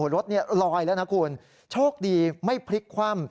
รถลอยแล้วนะคุณโชคดีไม่พลิกคว่ำ